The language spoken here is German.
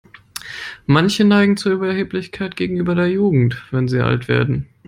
Manche neigen zu Überheblichkeit gegenüber der Jugend, wenn sie alt werden.